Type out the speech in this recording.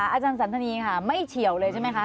อาจารย์สันธนีค่ะไม่เฉียวเลยใช่ไหมคะ